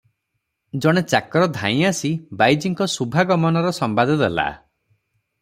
ଜଣେ ଚାକର ଧାଇଁଆସି ବାଇଜୀଙ୍କ ଶୁଭାଗମନର ସମ୍ବାଦ ଦେଲା ।